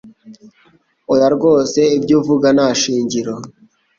Oya rwose ibyo uvuga ntashingiro